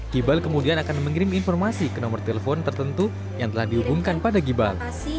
gibal kemudian akan mengirim informasi ke nomor telepon tertentu yang telah diumumkan pada gibal